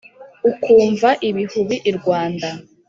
ukumva ibihubi i rwanda